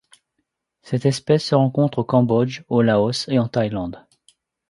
Cette espèce se rencontre au Cambodge, au Laos et en Thaïlande.